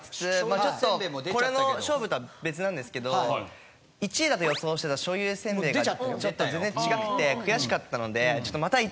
まあちょっとこれの勝負とは別なんですけど１位だと予想してた醤油せんべいがちょっと全然違くて悔しかったので。